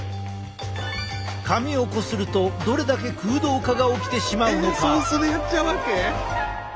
髪をこするとどれだけ空洞化が起きてしまうのか？